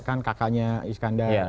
kan kakaknya iskandar